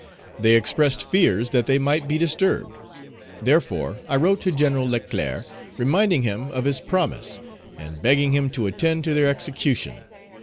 They expressed fears that they might be disturbed. Therefore I wrote to Gen. Leclerc, reminding him of his promise, and begging him to attend to their execution.